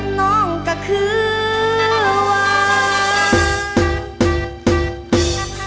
สมนองตะขือว่า